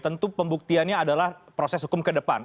tentu pembuktiannya adalah proses hukum ke depan